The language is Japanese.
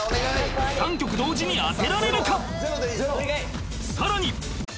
３曲同時に当てられるか？